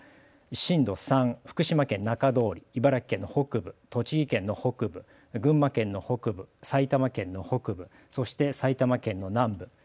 震度３を福島県中通り、茨城県の北部、栃木県の北部、群馬県の北部、埼玉県の北部、そして埼玉県の南部。